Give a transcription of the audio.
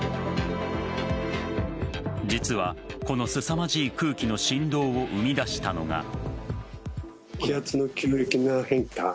実はこのすさまじい空気の振動を生み出したのが。